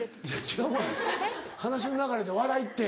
違うがな話の流れで「笑いって」。